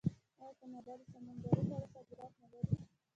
آیا کاناډا د سمندري خوړو صادرات نلري؟